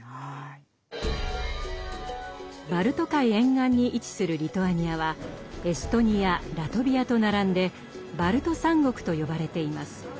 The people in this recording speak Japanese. バルト海沿岸に位置するリトアニアはエストニアラトビアと並んで「バルト三国」と呼ばれています。